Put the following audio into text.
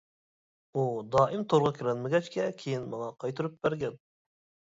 ئۇ دائىم تورغا كىرەلمىگەچكە كىيىن ماڭا قايتۇرۇپ بەرگەن.